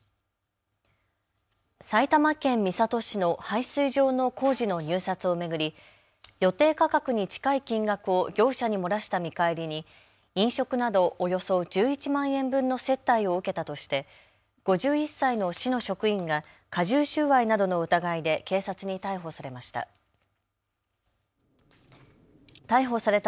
埼玉県三郷市の配水場の工事の入札を巡り予定価格に近い金額を業者に漏らした見返りに飲食などおよそ１１万円分の接待を受けたとして５１歳の市の職員が加重収賄などの疑いで警察に逮捕されました。